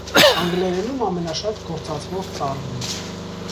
Անգլերենում ամենաշատ գործածվող տառն է։